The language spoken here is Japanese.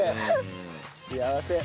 幸せ。